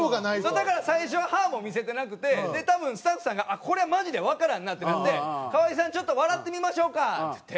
だから最初は歯も見せてなくて多分スタッフさんがこれはマジでわからんなってなって「河井さんちょっと笑ってみましょうか」って言って。